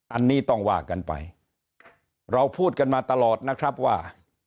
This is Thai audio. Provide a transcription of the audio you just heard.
อันนี้ต้องว่ากันไปเราพูดกันมาตลอดนะครับว่า